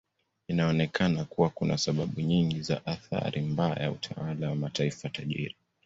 Inaonekana kuwa kuna sababu nyingi za athari mbaya ya utawala wa mataifa tajiri.